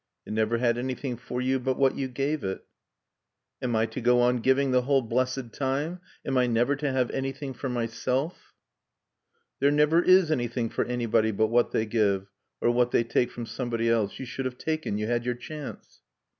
"It never had anything for you but what you gave it." "Am I to go on giving the whole blessed time? Am I never to have anything for myself?" "There never is anything for anybody but what they give. Or what they take from somebody else. You should have taken. You had your chance."